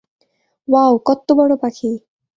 Wow, কত্ত বড় পাখি!